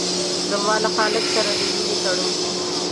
زما له خالق سره د مينې تړون